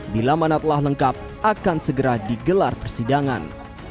bila mana telah lengkap akan segera digelar persidangan